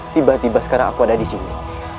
tiba tiba sekarang aku ada disini